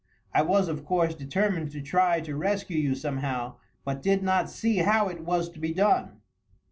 I was, of course, determined to try to rescue you somehow, but did not see how it was to be done.